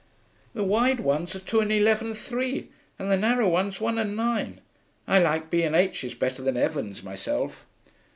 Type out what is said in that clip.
'The wide ones are two and eleven three, and the narrow ones one and nine. I like B. & H.'s better than Evans', myself.'